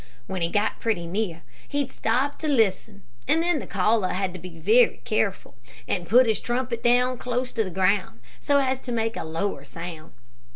When he got pretty near, he'd stop to listen, and then the caller had to be very careful and put his trumpet down close to the ground, so as to make a lower sound.